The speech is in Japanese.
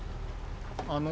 あの。